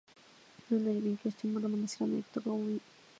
どんなに勉強しても、まだまだ知らないことが多い